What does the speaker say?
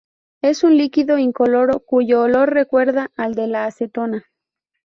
Es un líquido incoloro, cuyo olor recuerda al de la acetona.